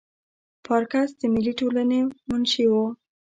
پارکس د ملي ټولنې منشي وه.